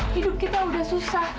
hidup kita udah susah